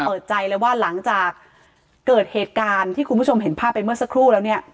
เปิดใจเลยว่าหลังจากเกิดเหตุการณ์ที่คุณผู้ชมเห็นภาพไปเมื่อสักครู่แล้วเนี่ย